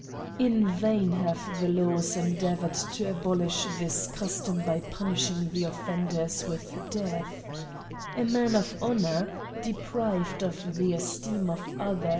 In vain have the laws endeavoured to abolish this custom by punishing the offenders with death* A man of honour, deprived of the esteem of others, CRIMES AND PUNISHMENTS.